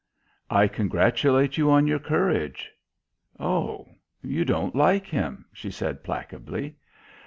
"I congratulate you on your courage." "Oh, you don't like him," she said placably.